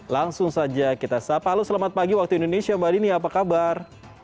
langsung saja kita sapa halo selamat pagi waktu indonesia mbak dini apa kabar